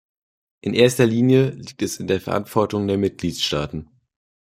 In erster Linie liegt es in der Verantwortung der Mitgliedstaaten.